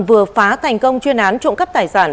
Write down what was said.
vừa phá thành công chuyên án trộm cắp tài sản